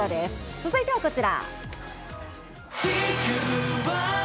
続いてはこちら。